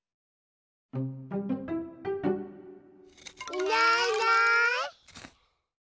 いないいない。